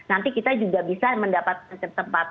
jadi nanti kita juga bisa mendapatkan banyak banyak topik